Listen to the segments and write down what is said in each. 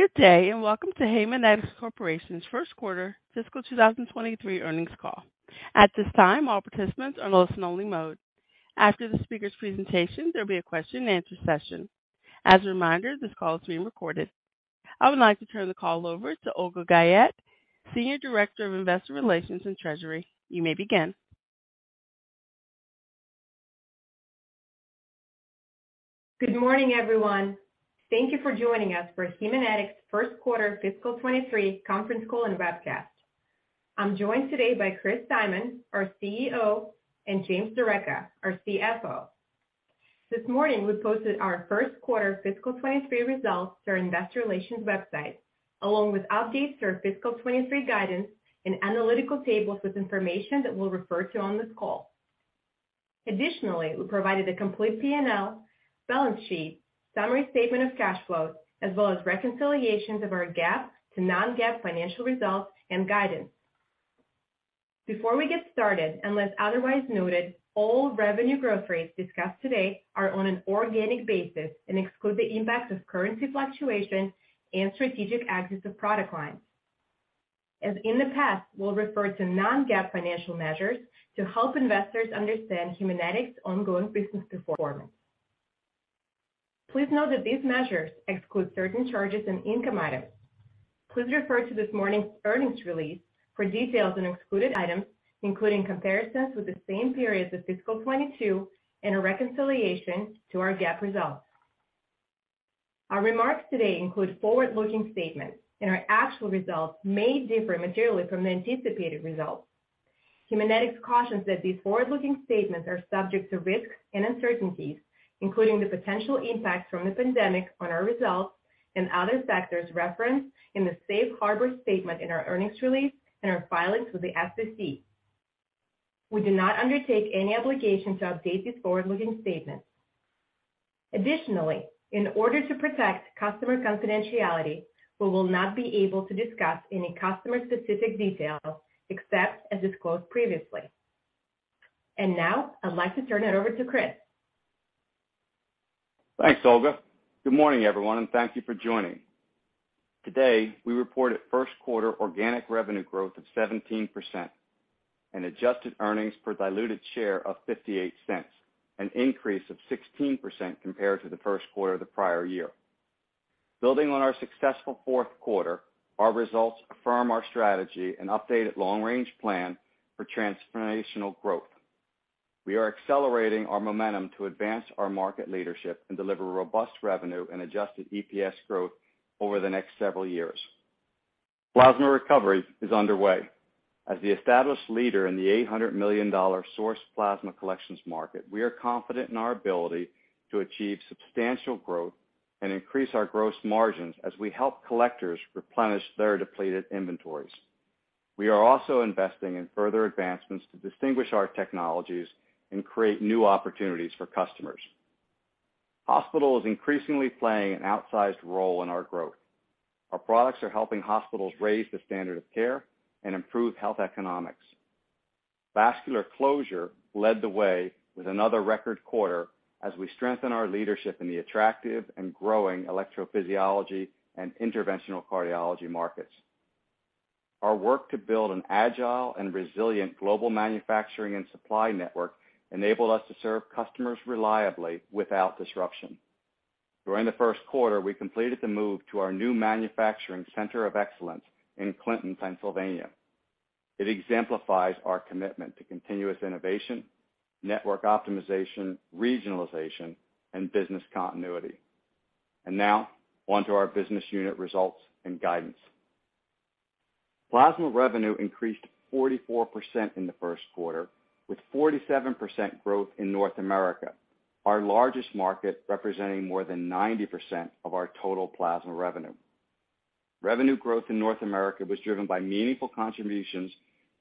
Good day, and welcome to Haemonetics Corporation's first quarter fiscal 2023 earnings call. At this time, all participants are in listen only mode. After the speaker's presentation, there'll be a question and answer session. As a reminder, this call is being recorded. I would like to turn the call over to Olga Guyette, Senior Director of Investor Relations and Treasury. You may begin. Good morning, everyone. Thank you for joining us for Haemonetics first quarter fiscal 2023 conference call and webcast. I'm joined today by Chris Simon, our CEO, and James D'Arecca, our CFO. This morning, we posted our first quarter fiscal 2023 results to our investor relations website, along with updates to our fiscal 2023 guidance and analytical tables with information that we'll refer to on this call. Additionally, we provided a complete P&L, balance sheet, summary statement of cash flows, as well as reconciliations of our GAAP to non-GAAP financial results and guidance. Before we get started, unless otherwise noted, all revenue growth rates discussed today are on an organic basis and exclude the impact of currency fluctuation and strategic exits of product lines. As in the past, we'll refer to non-GAAP financial measures to help investors understand Haemonetics ongoing business performance. Please note that these measures exclude certain charges and income items. Please refer to this morning's earnings release for details on excluded items, including comparisons with the same period of fiscal 2022 and a reconciliation to our GAAP results. Our remarks today include forward-looking statements, and our actual results may differ materially from the anticipated results. Haemonetics cautions that these forward-looking statements are subject to risks and uncertainties, including the potential impacts from the pandemic on our results and other factors referenced in the safe harbor statement in our earnings release and our filings with the SEC. We do not undertake any obligation to update these forward-looking statements. Additionally, in order to protect customer confidentiality, we will not be able to discuss any customer-specific details except as disclosed previously. Now I'd like to turn it over to Chris. Thanks, Olga. Good morning, everyone, and thank you for joining. Today, we reported first quarter organic revenue growth of 17% and adjusted earnings per diluted share of $0.58, an increase of 16% compared to the first quarter of the prior year. Building on our successful fourth quarter, our results affirm our strategy and updated long-range plan for transformational growth. We are accelerating our momentum to advance our market leadership and deliver robust revenue and adjusted EPS growth over the next several years. Plasma recovery is underway. As the established leader in the $800 million source plasma collections market, we are confident in our ability to achieve substantial growth and increase our gross margins as we help collectors replenish their depleted inventories. We are also investing in further advancements to distinguish our technologies and create new opportunities for customers. Hospital is increasingly playing an outsized role in our growth. Our products are helping hospitals raise the standard of care and improve health economics. Vascular closure led the way with another record quarter as we strengthen our leadership in the attractive and growing electrophysiology and interventional cardiology markets. Our work to build an agile and resilient global manufacturing and supply network enabled us to serve customers reliably without disruption. During the first quarter, we completed the move to our new manufacturing center of excellence in Clinton, Pennsylvania. It exemplifies our commitment to continuous innovation, network optimization, regionalization, and business continuity. Now onto our business unit results and guidance. Plasma revenue increased 44% in the first quarter, with 47% growth in North America, our largest market representing more than 90% of our total plasma revenue. Revenue growth in North America was driven by meaningful contributions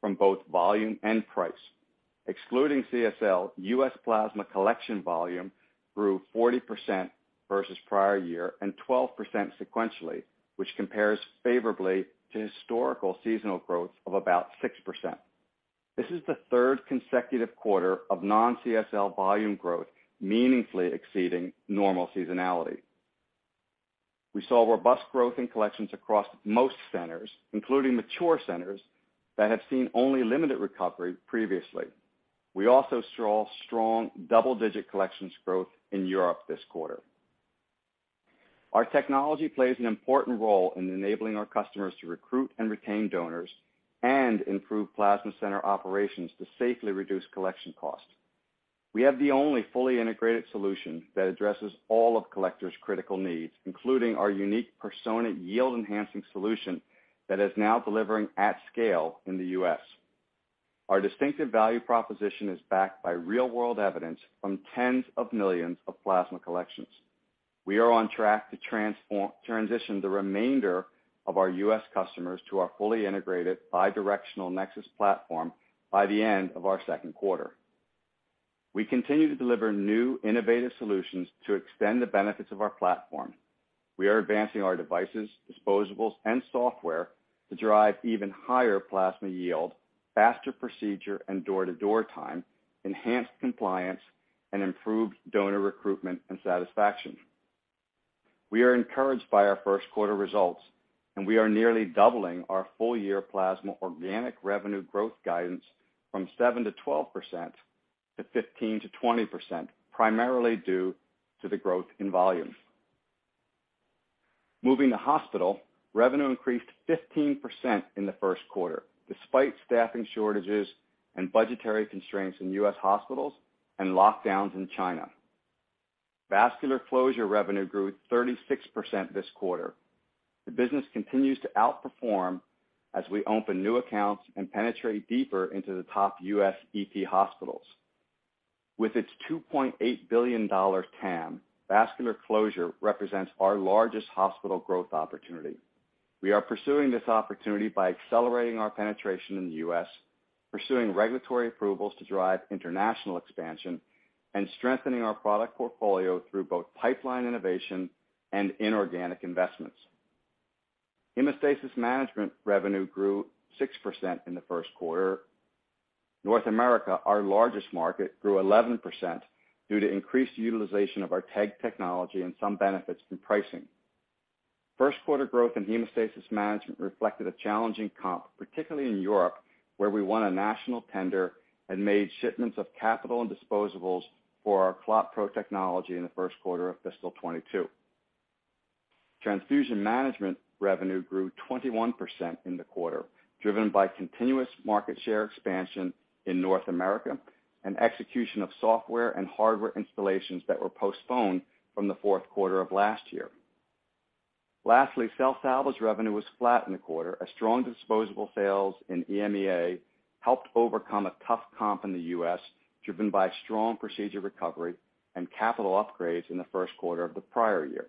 from both volume and price. Excluding CSL, U.S. plasma collection volume grew 40% versus prior year and 12% sequentially, which compares favorably to historical seasonal growth of about 6%. This is the third consecutive quarter of non-CSL volume growth meaningfully exceeding normal seasonality. We saw robust growth in collections across most centers, including mature centers that have seen only limited recovery previously. We also saw strong double-digit collections growth in Europe this quarter. Our technology plays an important role in enabling our customers to recruit and retain donors and improve plasma center operations to safely reduce collection costs. We have the only fully integrated solution that addresses all of collectors' critical needs, including our unique Persona yield-enhancing solution that is now delivering at scale in the U.S. Our distinctive value proposition is backed by real-world evidence from tens of millions of plasma collections. We are on track to transition the remainder of our U.S. customers to our fully integrated bi-directional NexSys platform by the end of our second quarter. We continue to deliver new innovative solutions to extend the benefits of our platform. We are advancing our devices, disposables and software to drive even higher plasma yield, faster procedure and door-to-door time, enhanced compliance and improved donor recruitment and satisfaction. We are encouraged by our first quarter results, and we are nearly doubling our full year plasma organic revenue growth guidance from 7%-12% to 15%-20%, primarily due to the growth in volume. Moving to hospital, revenue increased 15% in the first quarter, despite staffing shortages and budgetary constraints in U.S. hospitals and lockdowns in China. Vascular closure revenue grew 36% this quarter. The business continues to outperform as we open new accounts and penetrate deeper into the top U.S. EP hospitals. With its $2.8 billion TAM, vascular closure represents our largest hospital growth opportunity. We are pursuing this opportunity by accelerating our penetration in the U.S., pursuing regulatory approvals to drive international expansion and strengthening our product portfolio through both pipeline innovation and inorganic investments. Hemostasis Management revenue grew 6% in the first quarter. North America, our largest market, grew 11% due to increased utilization of our TEG technology and some benefits in pricing. First quarter growth in Hemostasis Management reflected a challenging comp, particularly in Europe, where we won a national tender and made shipments of capital and disposables for our ClotPro technology in the first quarter of fiscal 2022. Transfusion Management revenue grew 21% in the quarter, driven by continuous market share expansion in North America and execution of software and hardware installations that were postponed from the fourth quarter of last year. Lastly, Cell Salvage revenue was flat in the quarter as strong disposable sales in EMEA helped overcome a tough comp in the U.S., driven by strong procedure recovery and capital upgrades in the first quarter of the prior year.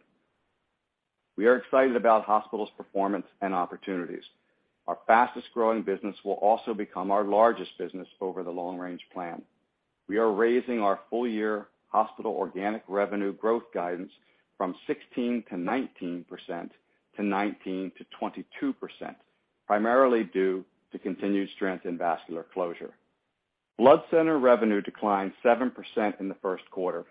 We are excited about Hospital's performance and opportunities. Our fastest-growing business will also become our largest business over the long-range plan. We are raising our full year Hospital organic revenue growth guidance from 16%-19% to 19%-22%, primarily due to continued strength in vascular closure. Blood Center revenue declined 7% in the first quarter.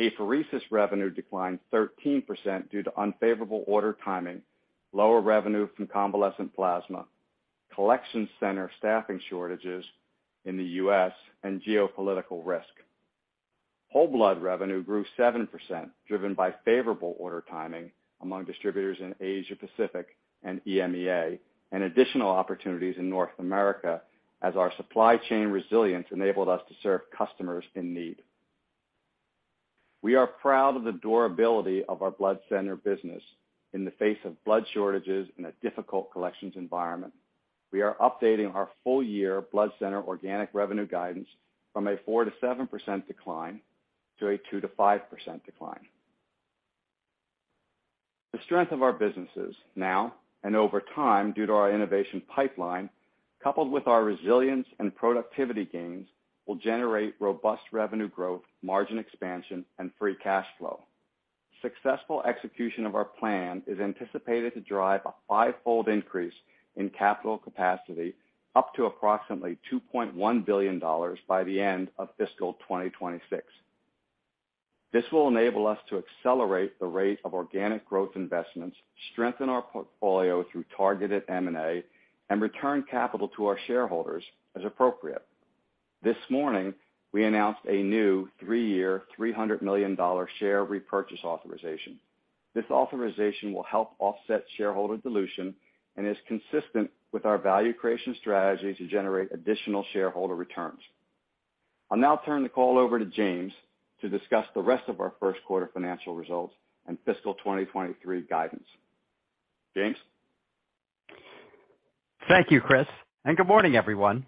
Apheresis revenue declined 13% due to unfavorable order timing, lower revenue from convalescent plasma, collection center staffing shortages in the U.S. and geopolitical risk. Whole blood revenue grew 7%, driven by favorable order timing among distributors in Asia-Pacific and EMEA, and additional opportunities in North America as our supply chain resilience enabled us to serve customers in need. We are proud of the durability of our blood center business in the face of blood shortages in a difficult collections environment. We are updating our full-year blood center organic revenue guidance from a 4%-7% decline to a 2%-5% decline. The strength of our businesses now and over time due to our innovation pipeline, coupled with our resilience and productivity gains, will generate robust revenue growth, margin expansion, and free cash flow. Successful execution of our plan is anticipated to drive a five-fold increase in capital capacity up to approximately $2.1 billion by the end of fiscal 2026. This will enable us to accelerate the rate of organic growth investments, strengthen our portfolio through targeted M&A, and return capital to our shareholders as appropriate. This morning, we announced a new three-year, $300 million share repurchase authorization. This authorization will help offset shareholder dilution and is consistent with our value creation strategy to generate additional shareholder returns. I'll now turn the call over to James to discuss the rest of our first quarter financial results and fiscal 2023 guidance. James. Thank you, Chris, and good morning, everyone.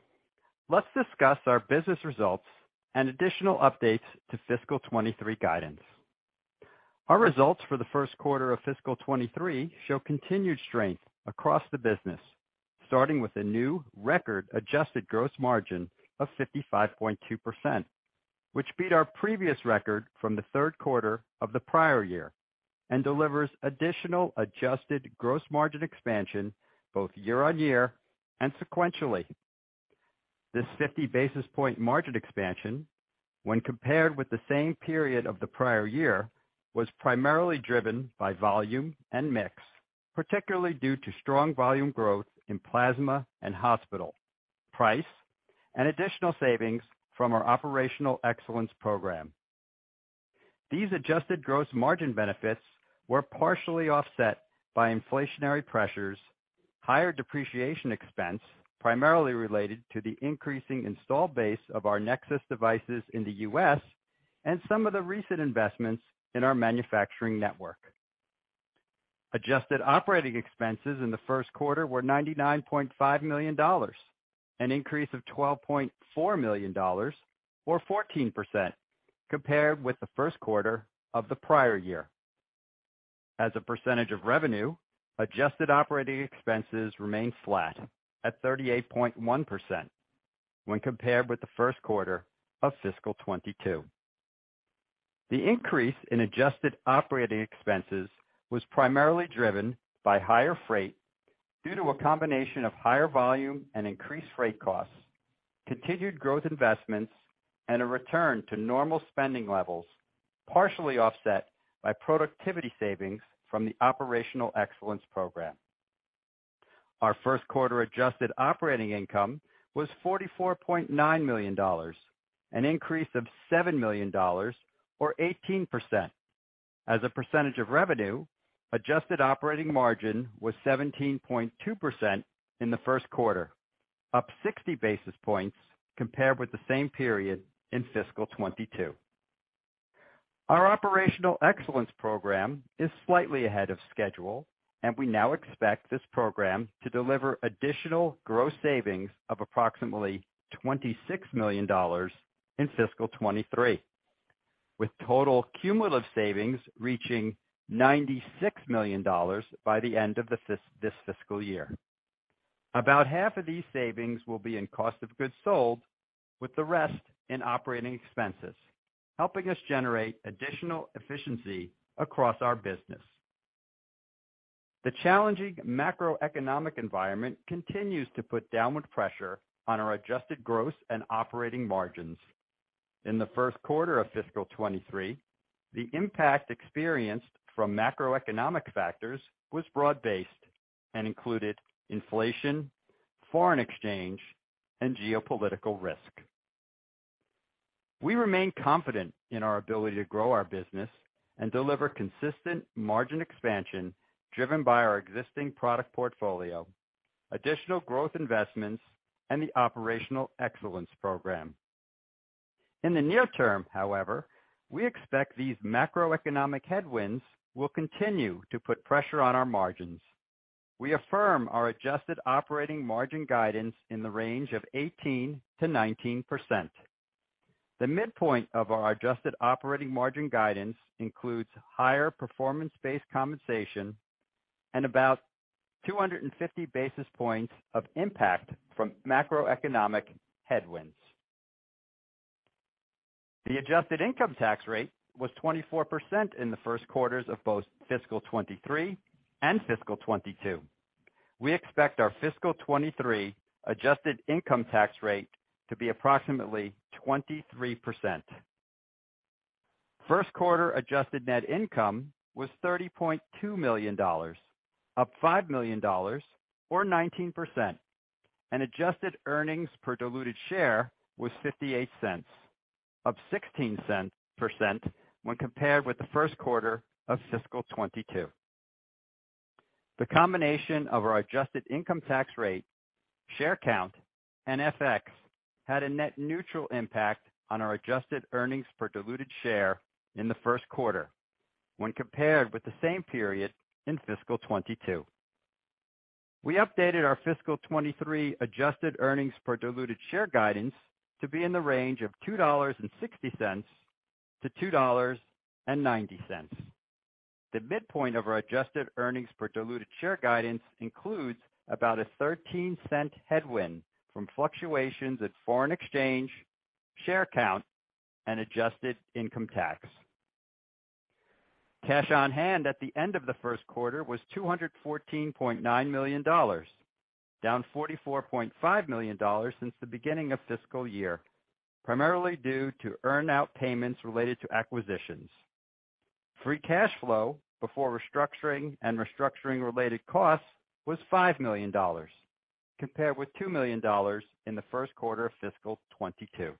Let's discuss our business results and additional updates to fiscal 2023 guidance. Our results for the first quarter of fiscal 2023 show continued strength across the business, starting with a new record adjusted gross margin of 55.2%, which beat our previous record from the third quarter of the prior year, and delivers additional adjusted gross margin expansion both year-over-year and sequentially. This 50 basis point margin expansion, when compared with the same period of the prior year, was primarily driven by volume and mix, particularly due to strong volume growth in plasma and hospital, price, and additional savings from our Operational Excellence Program. These adjusted gross margin benefits were partially offset by inflationary pressures, higher depreciation expense, primarily related to the increasing installed base of our NexSys devices in the U.S. and some of the recent investments in our manufacturing network. Adjusted operating expenses in the first quarter were $99.5 million, an increase of $12.4 million or 14% compared with the first quarter of the prior year. As a percentage of revenue, adjusted operating expenses remained flat at 38.1% when compared with the first quarter of fiscal 2022. The increase in adjusted operating expenses was primarily driven by higher freight due to a combination of higher volume and increased rate costs, continued growth investments, and a return to normal spending levels, partially offset by productivity savings from the Operational Excellence Program. Our first quarter adjusted operating income was $44.9 million, an increase of $7 million or 18%. As a percentage of revenue, adjusted operating margin was 17.2% in the first quarter, up 60 basis points compared with the same period in fiscal 2022. Our Operational Excellence Program is slightly ahead of schedule, and we now expect this program to deliver additional gross savings of approximately $26 million in fiscal 2023, with total cumulative savings reaching $96 million by the end of this fiscal year. About half of these savings will be in cost of goods sold, with the rest in operating expenses, helping us generate additional efficiency across our business. The challenging macroeconomic environment continues to put downward pressure on our adjusted gross and operating margins. In the first quarter of fiscal 2023, the impact experienced from macroeconomic factors was broad-based and included inflation, foreign exchange, and geopolitical risk. We remain confident in our ability to grow our business and deliver consistent margin expansion driven by our existing product portfolio, additional growth investments, and the Operational Excellence Program. In the near term, however, we expect these macroeconomic headwinds will continue to put pressure on our margins. We affirm our adjusted operating margin guidance in the range of 18%-19%. The midpoint of our adjusted operating margin guidance includes higher performance-based compensation and about 250 basis points of impact from macroeconomic headwinds. The adjusted income tax rate was 24% in the first quarters of both fiscal 2023 and fiscal 2022. We expect our fiscal 2023 adjusted income tax rate to be approximately 23%. First quarter adjusted net income was $30.2 million, up $5 million or 19%, and adjusted earnings per diluted share was $0.58, up 16% when compared with the first quarter of fiscal 2022. The combination of our adjusted income tax rate, share count, and FX had a net neutral impact on our adjusted earnings per diluted share in the first quarter when compared with the same period in fiscal 2022. We updated our fiscal 2023 adjusted earnings per diluted share guidance to be in the range of $2.60-$2.90. The midpoint of our adjusted earnings per diluted share guidance includes about a $0.13 headwind from fluctuations in foreign exchange, share count, and adjusted income tax. Cash on hand at the end of the first quarter was $214.9 million, down $44.5 million since the beginning of fiscal year, primarily due to earn-out payments related to acquisitions. Free cash flow before restructuring and restructuring-related costs was $5 million, compared with $2 million in the first quarter of fiscal 2022.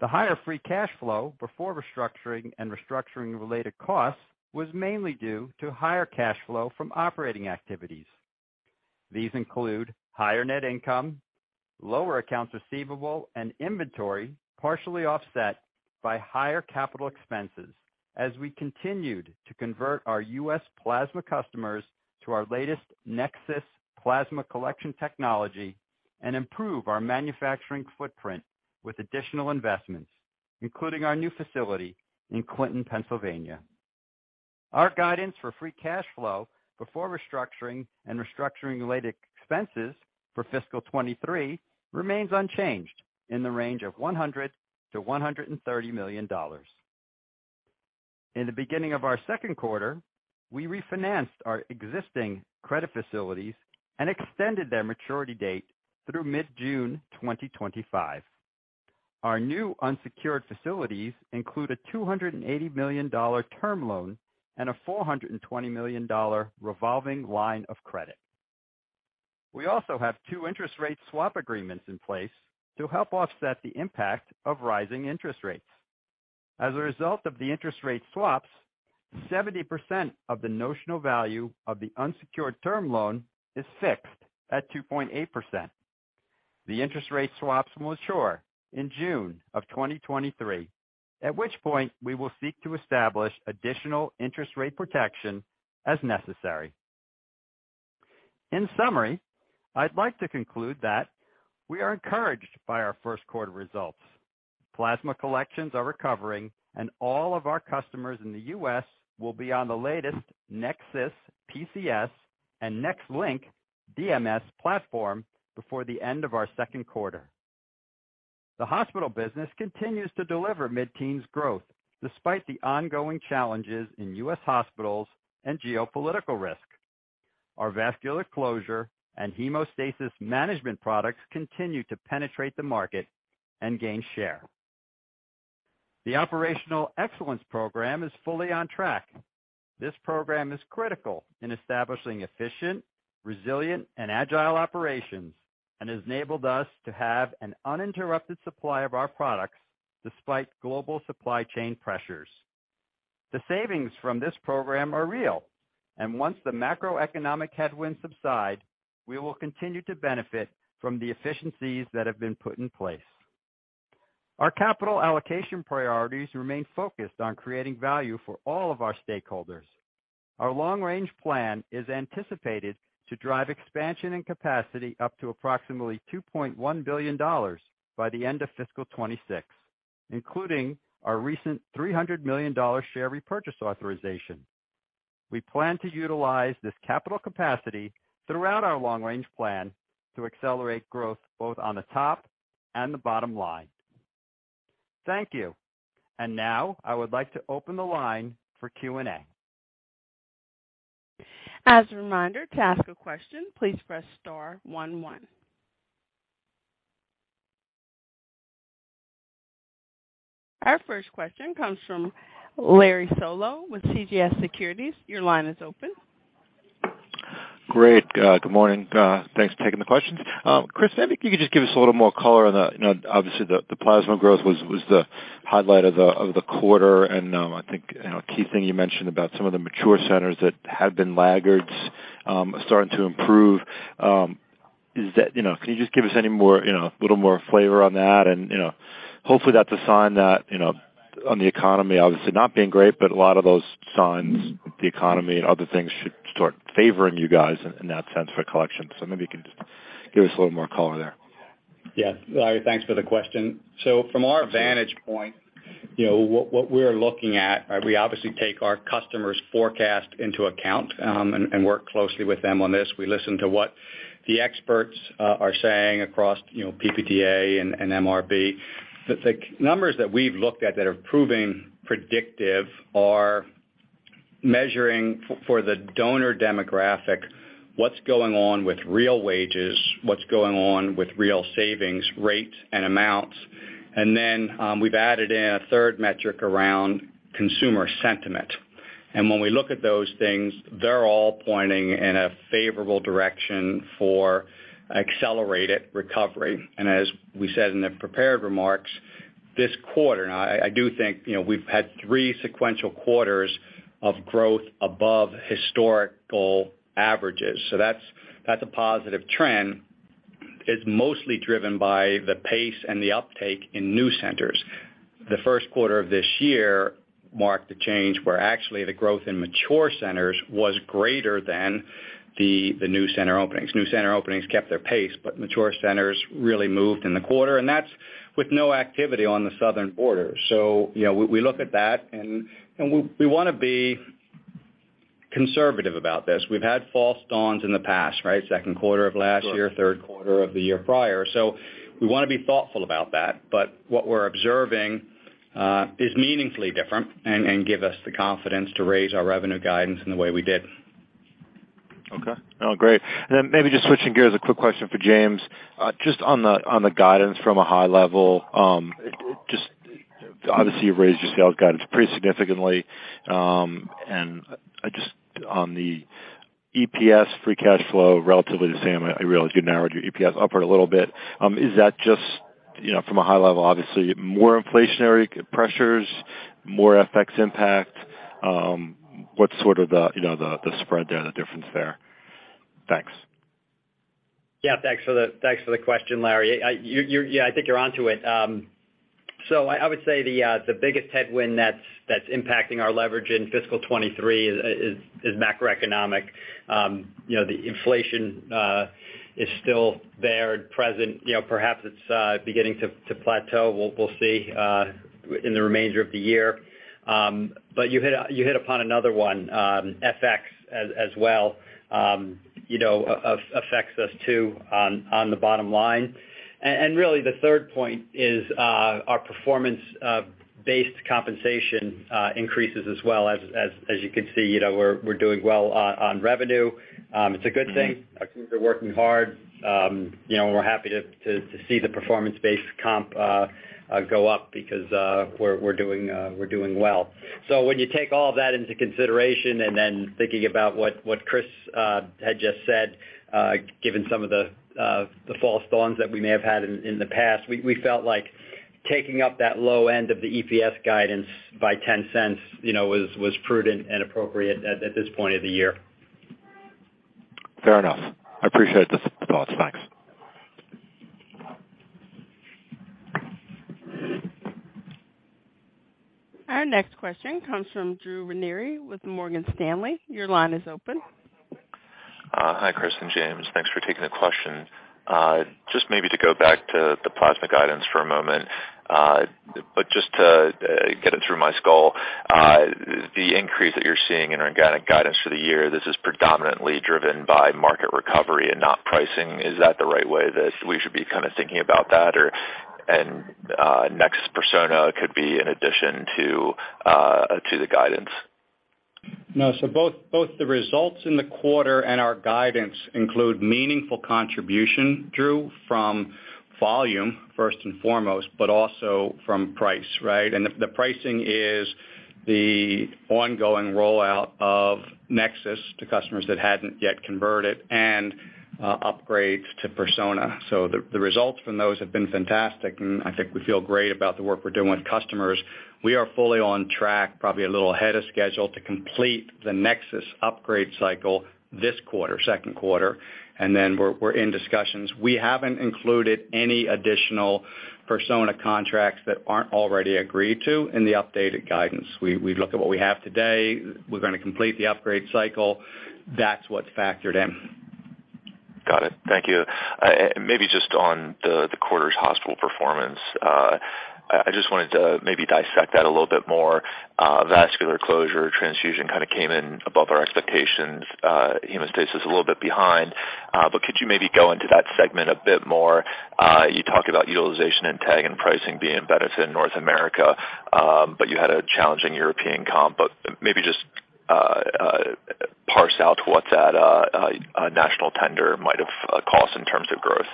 The higher free cash flow before restructuring and restructuring-related costs was mainly due to higher cash flow from operating activities. These include higher net income, lower accounts receivable, and inventory, partially offset by higher capital expenses as we continued to convert our U.S. plasma customers to our latest NexSys PCS plasma collection technology and improve our manufacturing footprint with additional investments, including our new facility in Clinton, Pennsylvania. Our guidance for free cash flow before restructuring and restructuring-related expenses for fiscal 2023 remains unchanged in the range of $100-$130 million. In the beginning of our second quarter, we refinanced our existing credit facilities and extended their maturity date through mid-June 2025. Our new unsecured facilities include a $280 million term loan and a $420 million revolving line of credit. We also have two interest rate swap agreements in place to help offset the impact of rising interest rates. As a result of the interest rate swaps, 70% of the notional value of the unsecured term loan is fixed at 2.8%. The interest rate swaps will mature in June 2023, at which point we will seek to establish additional interest rate protection as necessary. In summary, I'd like to conclude that we are encouraged by our first quarter results. Plasma collections are recovering, and all of our customers in the U.S. will be on the latest NexSys PCS and NexLynk DMS platform before the end of our second quarter. The hospital business continues to deliver mid-teens growth despite the ongoing challenges in U.S. hospitals and geopolitical risk. Our vascular closure and Hemostasis Management products continue to penetrate the market and gain share. The Operational Excellence Program is fully on track. This program is critical in establishing efficient, resilient, and agile operations and has enabled us to have an uninterrupted supply of our products despite global supply chain pressures. The savings from this program are real, and once the macroeconomic headwinds subside, we will continue to benefit from the efficiencies that have been put in place. Our capital allocation priorities remain focused on creating value for all of our stakeholders. Our long-range plan is anticipated to drive expansion and capacity up to approximately $2.1 billion by the end of fiscal 2026, including our recent $300 million share repurchase authorization. We plan to utilize this capital capacity throughout our long-range plan to accelerate growth both on the top and the bottom line. Thank you. Now I would like to open the line for Q&A. As a reminder, to ask a question, please press star one one. Our first question comes from Larry Solow with CJS Securities. Your line is open. Great. Good morning. Thanks for taking the questions. Chris, maybe you could just give us a little more color on the, you know, obviously the plasma growth was the highlight of the quarter, and I think, you know, a key thing you mentioned about some of the mature centers that have been laggards starting to improve. You know, can you just give us any more, you know, a little more flavor on that? You know, hopefully that's a sign that, you know, on the economy obviously not being great, but a lot of those signs, the economy and other things should start favoring you guys in that sense for collections. Maybe you can just give us a little more color there. Yeah. Larry, thanks for the question. From our vantage point, you know, what we're looking at, we obviously take our customers' forecast into account, and work closely with them on this. We listen to what the experts are saying across, you know, PPTA and MRB. The numbers that we've looked at that are proving predictive are measuring for the donor demographic, what's going on with real wages, what's going on with real savings rates and amounts. Then, we've added in a third metric around consumer sentiment. When we look at those things, they're all pointing in a favorable direction for accelerated recovery. As we said in the prepared remarks, this quarter, and I do think, you know, we've had three sequential quarters of growth above historical averages, so that's a positive trend. It's mostly driven by the pace and the uptake in new centers. The first quarter of this year marked a change where actually the growth in mature centers was greater than the new center openings. New center openings kept their pace, but mature centers really moved in the quarter, and that's with no activity on the southern border. You know, we look at that and we wanna be conservative about this. We've had false dawns in the past, right? Second quarter of last year. Sure. Third quarter of the year prior. We wanna be thoughtful about that. What we're observing is meaningfully different and give us the confidence to raise our revenue guidance in the way we did. Okay. Oh, great. Maybe just switching gears, a quick question for James. Just on the guidance from a high level, just obviously you've raised your sales guidance pretty significantly, and just on the EPS free cash flow relatively the same, I realize you narrowed your EPS upward a little bit. Is that just, you know, from a high level, obviously more inflationary pressures, more FX impact? What's sort of the, you know, the spread there, the difference there? Thanks. Yeah, thanks for the question, Larry. I think you're onto it. So I would say the biggest headwind that's impacting our leverage in fiscal 2023 is macroeconomic. The inflation is still there, present. Perhaps it's beginning to plateau. We'll see in the remainder of the year. You hit upon another one, FX as well. Affects us too on the bottom line. Really the third point is our performance based compensation increases as well. As you can see, we're doing well on revenue. It's a good thing. Our teams are working hard. You know, we're happy to see the performance-based comp go up because we're doing well. When you take all of that into consideration and then thinking about what Chris had just said, given some of the false dawns that we may have had in the past, we felt like taking up that low end of the EPS guidance by $0.10, you know, was prudent and appropriate at this point of the year. Fair enough. I appreciate the thoughts. Thanks. Our next question comes from Drew Ranieri with Morgan Stanley. Your line is open. Hi, Chris and James. Thanks for taking the question. Just maybe to go back to the plasma guidance for a moment, but just to get it through my skull, the increase that you're seeing in organic guidance for the year, this is predominantly driven by market recovery and not pricing. Is that the right way that we should be kind of thinking about that? Or, and next persona could be in addition to the guidance. No. Both the results in the quarter and our guidance include meaningful contribution, Drew, from volume first and foremost, but also from price, right? The pricing is the ongoing rollout of NexSys to customers that hadn't yet converted, and upgrades to Persona. The results from those have been fantastic, and I think we feel great about the work we're doing with customers. We are fully on track, probably a little ahead of schedule to complete the NexSys upgrade cycle this quarter, second quarter, and then we're in discussions. We haven't included any additional Persona contracts that aren't already agreed to in the updated guidance. We look at what we have today. We're gonna complete the upgrade cycle. That's what's factored in. Got it. Thank you. Maybe just on the quarter's hospital performance. I just wanted to maybe dissect that a little bit more. Vascular closure, transfusion kind of came in above our expectations. Hemostasis, a little bit behind. Could you maybe go into that segment a bit more? You talked about utilization and TAM and pricing being better than North America, but you had a challenging European comp. Maybe just parse out what that national tender might have cost in terms of growth.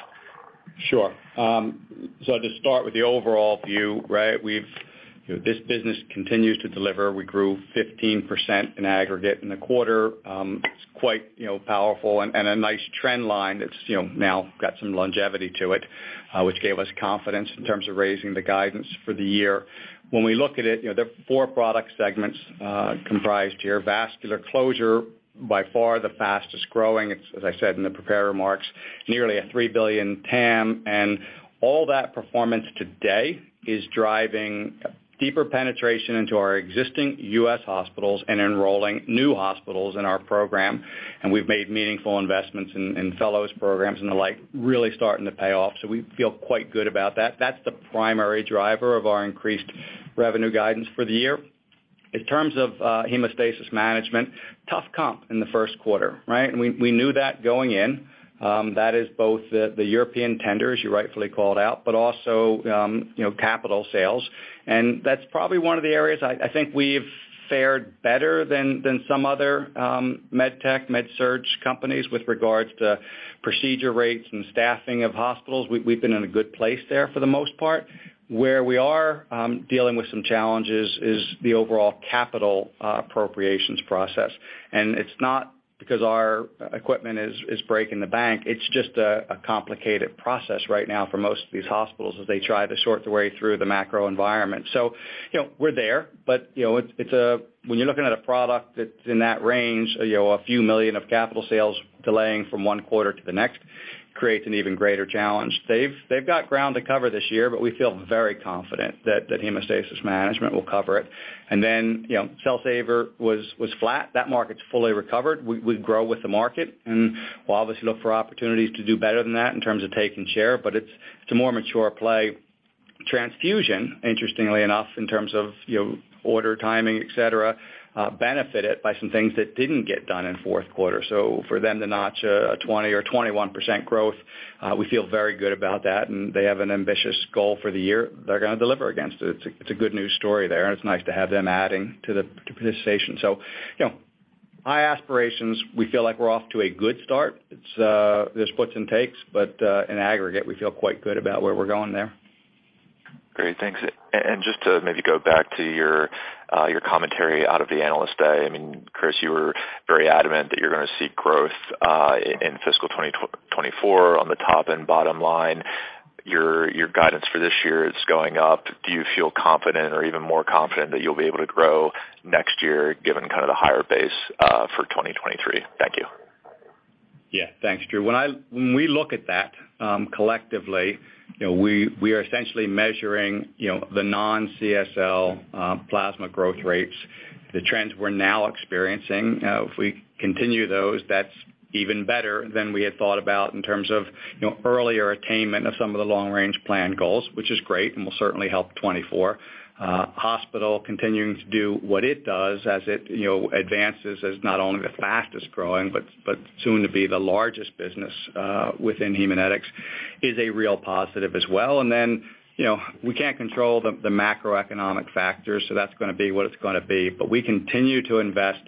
Sure. To start with the overall view, right? You know, this business continues to deliver. We grew 15% in aggregate in the quarter. It's quite, you know, powerful and a nice trend line that's, you know, now got some longevity to it, which gave us confidence in terms of raising the guidance for the year. When we look at it, you know, there are four product segments, comprised here. Vascular closure, by far the fastest-growing. It's, as I said in the prepared remarks, nearly a $3 billion TAM, and all that performance today is driving deeper penetration into our existing U.S. hospitals and enrolling new hospitals in our program. We've made meaningful investments in fellows programs and the like, really starting to pay off. We feel quite good about that. That's the primary driver of our increased revenue guidance for the year. In terms of Hemostasis Management, tough comp in the first quarter, right? We knew that going in. That is both the European tenders you rightfully called out, but also you know, capital sales. That's probably one of the areas I think we've fared better than some other med tech, med surg companies with regards to procedure rates and staffing of hospitals. We've been in a good place there for the most part. Where we are dealing with some challenges is the overall capital appropriations process. It's not because our equipment is breaking the bank, it's just a complicated process right now for most of these hospitals as they try to sort the way through the macro environment. You know, we're there, but you know, it's a, when you're looking at a product that's in that range, you know, a few million of capital sales delaying from one quarter to the next creates an even greater challenge. They've got ground to cover this year, but we feel very confident that Hemostasis Management will cover it. You know, Cell Saver was flat. That market's fully recovered. We grow with the market, and we'll obviously look for opportunities to do better than that in terms of taking share, but it's a more mature play. Transfusion, interestingly enough, in terms of you know, order, timing, et cetera, benefited by some things that didn't get done in fourth quarter. For them to notch a 20% or 21% growth, we feel very good about that, and they have an ambitious goal for the year they're gonna deliver against it. It's a good news story there, and it's nice to have them adding to the participation. You know, high aspirations. We feel like we're off to a good start. It's, there's puts and takes, but, in aggregate, we feel quite good about where we're going there. Great. Thanks. Just to maybe go back to your commentary out of the Investor Day, I mean, Chris, you were very adamant that you're gonna seek growth in fiscal 2024 on the top and bottom line. Your guidance for this year is going up. Do you feel confident or even more confident that you'll be able to grow next year given kind of the higher base for 2023? Thank you. Yeah. Thanks, Drew. When we look at that, collectively, you know, we are essentially measuring, you know, the non-CSL plasma growth rates, the trends we're now experiencing. If we continue those, that's even better than we had thought about in terms of, you know, earlier attainment of some of the long-range plan goals, which is great and will certainly help 2024. Hospital continuing to do what it does as it, you know, advances as not only the fastest-growing but soon to be the largest business within Haemonetics is a real positive as well. Then, you know, we can't control the macroeconomic factors, so that's gonna be what it's gonna be. We continue to invest,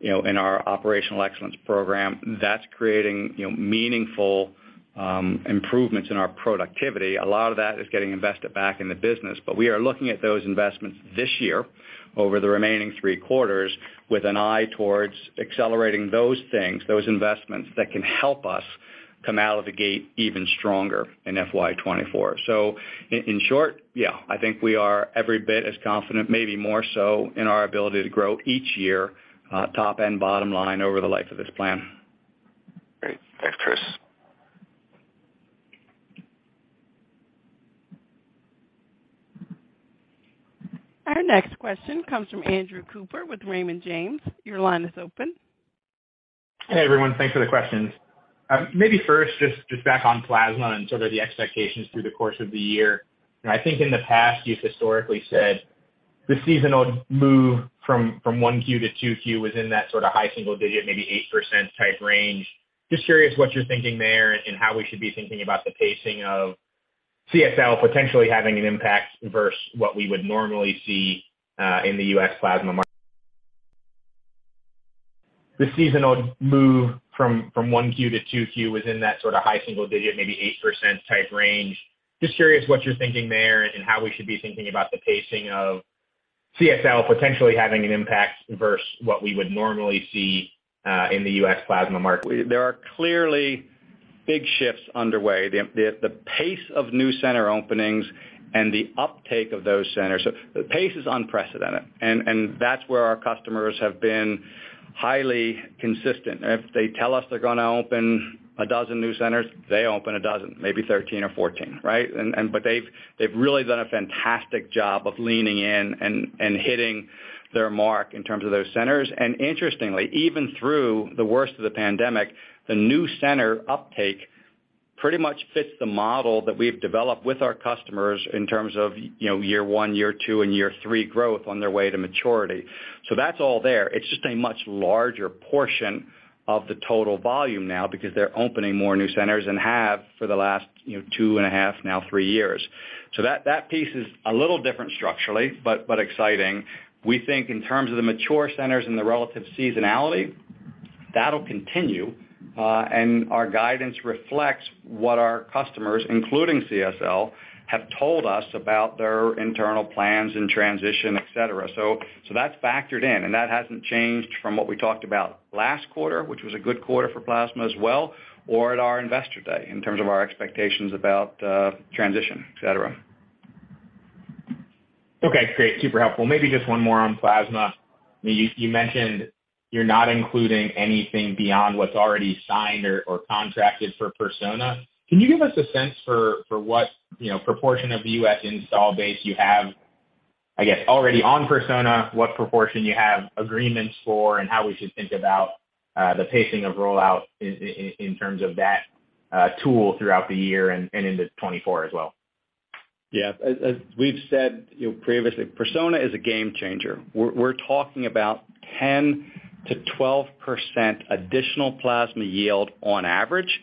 you know, in our Operational Excellence Program. That's creating, you know, meaningful improvements in our productivity. A lot of that is getting invested back in the business, but we are looking at those investments this year over the remaining three quarters with an eye towards accelerating those things, those investments that can help us come out of the gate even stronger in FY 2024. In short, yeah, I think we are every bit as confident, maybe more so, in our ability to grow each year, top and bottom line over the life of this plan. Great. Thanks, Chris. Our next question comes from Andrew Cooper with Raymond James. Your line is open. Hey everyone, thanks for the questions. Maybe first, just back on plasma and sort of the expectations through the course of the year. You know, I think in the past, you've historically said the seasonal move from Q1 to Q2 was in that sort of high single digit, maybe 8% type range. Just curious what you're thinking there and how we should be thinking about the pacing of CSL potentially having an impact versus what we would normally see in the U.S. plasma market. The seasonal move from Q1 to Q2 was in that sort of high single digit, maybe 8% type range. Just curious what you're thinking there and how we should be thinking about the pacing of CSL potentially having an impact versus what we would normally see in the U.S. plasma market. There are clearly big shifts underway. The pace of new center openings and the uptake of those centers is unprecedented. That's where our customers have been highly consistent. If they tell us they're gonna open 12 new centers, they open 12, maybe 13 or 14, right? But they've really done a fantastic job of leaning in and hitting their mark in terms of those centers. Interestingly, even through the worst of the pandemic, the new center uptake pretty much fits the model that we've developed with our customers in terms of, you know, year one, year two, and year three growth on their way to maturity. That's all there. It's just a much larger portion of the total volume now because they're opening more new centers and have for the last, you know, 2.5, now three years. That piece is a little different structurally, but exciting. We think in terms of the mature centers and the relative seasonality, that'll continue, and our guidance reflects what our customers, including CSL, have told us about their internal plans and transition, et cetera. That's factored in, and that hasn't changed from what we talked about last quarter, which was a good quarter for Plasma as well, or at our Investor Day in terms of our expectations about transition, et cetera. Okay, great. Super helpful. Maybe just one more on Plasma. You mentioned you're not including anything beyond what's already signed or contracted for Persona. Can you give us a sense for what, you know, proportion of the U.S. install base you have, I guess, already on Persona, what proportion you have agreements for, and how we should think about the pacing of rollout in terms of that tool throughout the year and into 2024 as well? Yeah. As we've said, you know, previously, Persona is a game changer. We're talking about 10%-12% additional plasma yield on average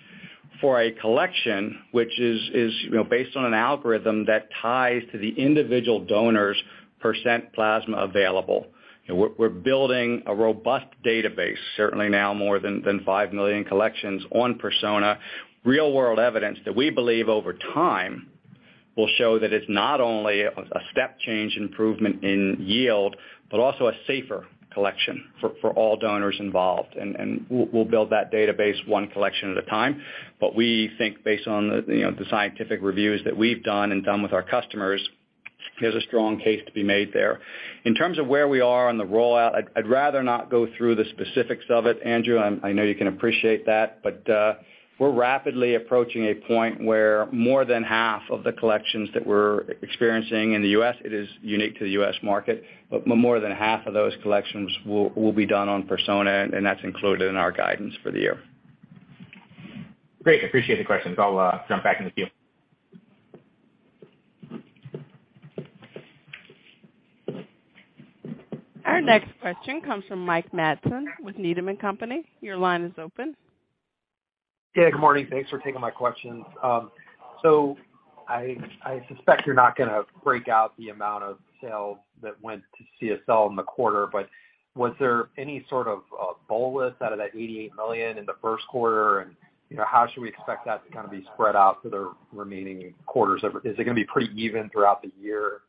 for a collection which is, you know, based on an algorithm that ties to the individual donor's % plasma available. We're building a robust database, certainly now more than 5 million collections on Persona. Real-world evidence that we believe over time will show that it's not only a step change improvement in yield, but also a safer collection for all donors involved. We'll build that database one collection at a time. We think based on you know, the scientific reviews that we've done and done with our customers, there's a strong case to be made there. In terms of where we are on the rollout, I'd rather not go through the specifics of it, Andrew. I know you can appreciate that. We're rapidly approaching a point where more than half of the collections that we're experiencing in the US, it is unique to the US market, but more than half of those collections will be done on Persona, and that's included in our guidance for the year. Great. Appreciate the questions. I'll jump back in the queue. Our next question comes from Mike Matson with Needham & Company. Your line is open. Yeah, good morning. Thanks for taking my questions. I suspect you're not gonna break out the amount of sales that went to CSL in the quarter, but was there any sort of bolus out of that $88 million in the first quarter? You know, how should we expect that to kind of be spread out for the remaining quarters? Is it gonna be pretty even throughout the year?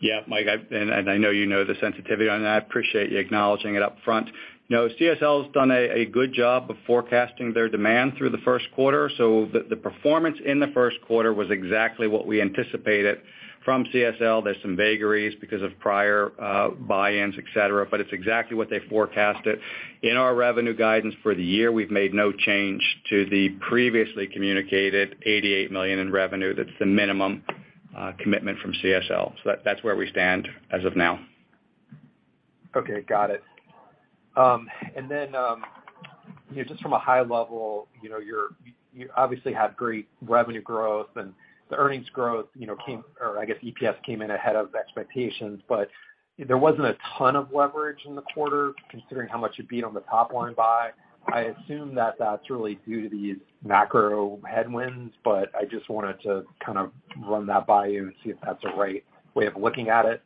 Yeah, Mike, and I know you know the sensitivity on that. I appreciate you acknowledging it up front. No, CSL's done a good job of forecasting their demand through the first quarter. The performance in the first quarter was exactly what we anticipated from CSL. There's some variances because of prior buy-ins, et cetera, but it's exactly what they forecasted. In our revenue guidance for the year, we've made no change to the previously communicated $88 million in revenue. That's the minimum commitment from CSL. That's where we stand as of now. Okay, got it. You know, just from a high level, you know, you obviously had great revenue growth and the earnings growth, you know, or I guess EPS came in ahead of expectations, but there wasn't a ton of leverage in the quarter considering how much you beat on the top line by. I assume that that's really due to these macro headwinds, but I just wanted to kind of run that by you and see if that's a right way of looking at it.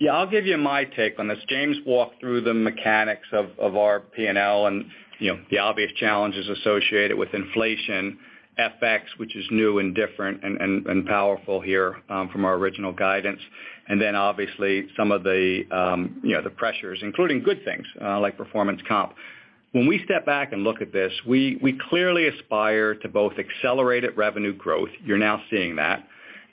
Yeah, I'll give you my take on this. James walked through the mechanics of our P&L and, you know, the obvious challenges associated with inflation, FX, which is new and different and powerful here from our original guidance, and then obviously some of the, you know, the pressures, including good things like performance comp. When we step back and look at this, we clearly aspire to both accelerated revenue growth, you're now seeing that,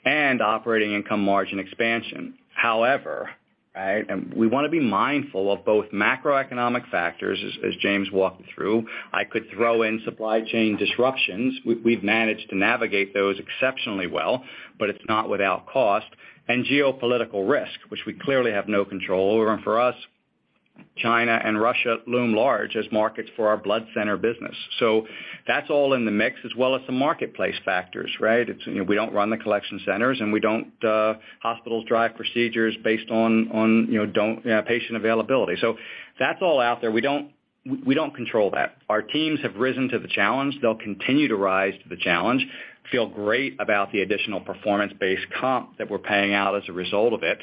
and operating income margin expansion. However, right, and we wanna be mindful of both macroeconomic factors, as James walked through. I could throw in supply chain disruptions. We've managed to navigate those exceptionally well, but it's not without cost. Geopolitical risk, which we clearly have no control over. For us, China and Russia loom large as markets for our blood center business. That's all in the mix as well as the marketplace factors, right? It's, you know, we don't run the collection centers, and we don't hospitals drive procedures based on, you know, patient availability. That's all out there. We don't control that. Our teams have risen to the challenge. They'll continue to rise to the challenge. Feel great about the additional performance-based comp that we're paying out as a result of it.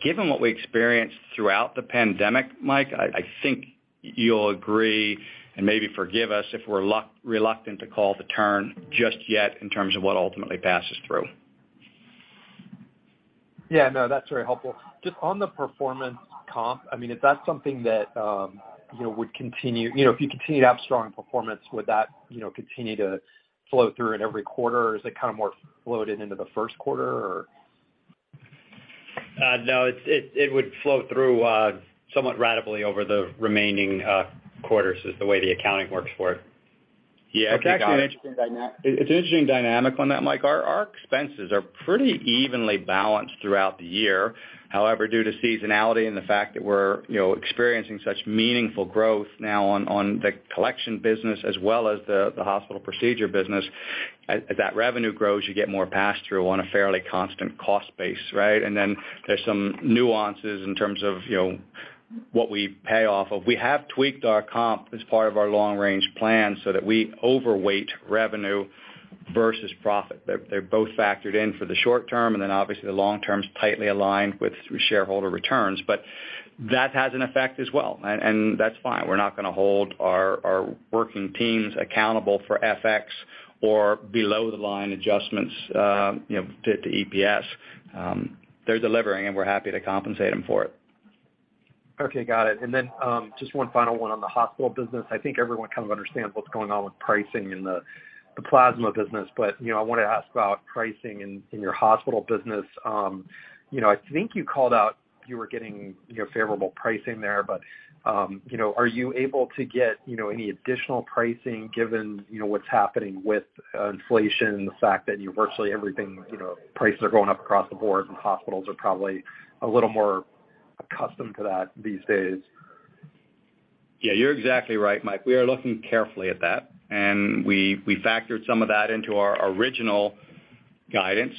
Given what we experienced throughout the pandemic, Mike, I think you'll agree, and maybe forgive us if we're reluctant to call the turn just yet in terms of what ultimately passes through. Yeah, no, that's very helpful. Just on the performance comp, I mean, is that something that, you know, would continue? You know, if you continued to have strong performance, would that, you know, continue to flow through in every quarter, or is it kind of more loaded into the first quarter or? No, it would flow through somewhat ratably over the remaining quarters is the way the accounting works for it. Yeah. It's actually an interesting dynamic on that, Mike. Our expenses are pretty evenly balanced throughout the year. However, due to seasonality and the fact that we're, you know, experiencing such meaningful growth now on the collection business as well as the hospital procedure business, as that revenue grows, you get more pass-through on a fairly constant cost base, right? Then there's some nuances in terms of, you know, what we pay off of. We have tweaked our comp as part of our long range plan so that we overweight revenue versus profit. They're both factored in for the short term, and then obviously, the long term is tightly aligned with shareholder returns. That has an effect as well, and that's fine. We're not going to hold our working teams accountable for FX or below the line adjustments, you know, to EPS. They're delivering, and we're happy to compensate them for it. Okay, got it. Just one final one on the hospital business. I think everyone kind of understands what's going on with pricing in the plasma business. You know, I want to ask about pricing in your hospital business. You know, I think you called out you were getting, you know, favorable pricing there. You know, are you able to get, you know, any additional pricing given, you know, what's happening with inflation, the fact that virtually everything, you know, prices are going up across the board and hospitals are probably a little more accustomed to that these days? Yeah, you're exactly right, Mike. We are looking carefully at that, and we factored some of that into our original guidance.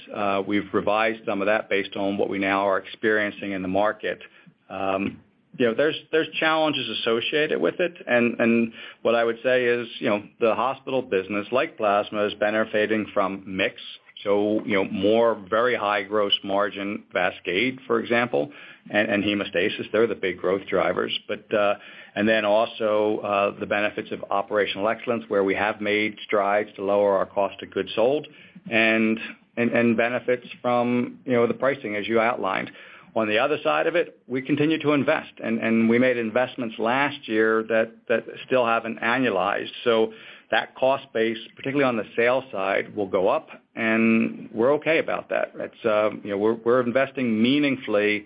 We've revised some of that based on what we now are experiencing in the market. You know, there's challenges associated with it. What I would say is, you know, the hospital business, like plasma, is benefiting from mix, so, you know, more very high gross margin VASCADE, for example, and hemostasis, they're the big growth drivers. But then also, the benefits of Operational Excellence, where we have made strides to lower our cost of goods sold and benefits from, you know, the pricing, as you outlined. On the other side of it, we continue to invest, and we made investments last year that still haven't annualized. That cost base, particularly on the sales side, will go up, and we're okay about that. It's you know, we're investing meaningfully.